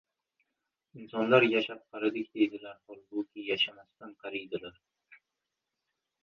• Insonlar yashab qaridik deydilar, holbuki yashamasdan qariydilar.